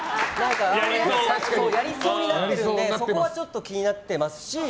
やりそうになっているのでそこは気になっていますし。